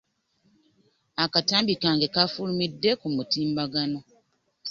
Akatambi kange kafulumidde ku mutimbagano